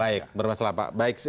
baik bermasalah pak